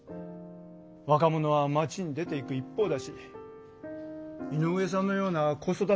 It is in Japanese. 若者は町に出ていく一方だし井上さんのような子育て世代も少ない。